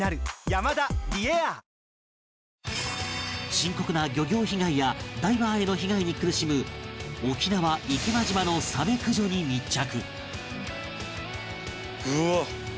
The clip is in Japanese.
深刻な漁業被害やダイバーへの被害に苦しむ沖縄池間島のサメ駆除に密着